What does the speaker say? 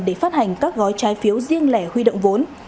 để phát hành các gói trái phiếu riêng lẻ huy động vốn